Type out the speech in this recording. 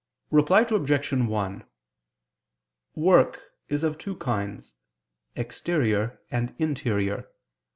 Reply Obj. 1: Work is of two kinds, exterior and interior.